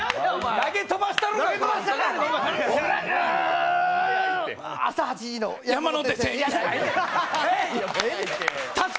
投げ飛ばしたろか。